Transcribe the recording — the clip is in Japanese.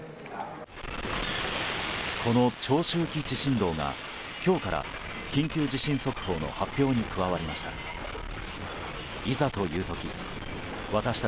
この長周期地震動が今日から緊急地震速報の発表に加わりました。